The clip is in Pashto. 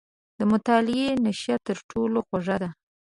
• د مطالعې نیشه تر ټولو خوږه ده.